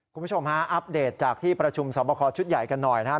คุณผู้ชมฮะอัปเดตจากที่ประชุมสอบคอชุดใหญ่กันหน่อยนะครับ